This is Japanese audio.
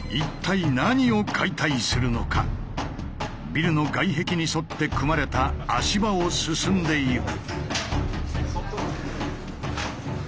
一体ビルの外壁に沿って組まれた足場を進んでいく。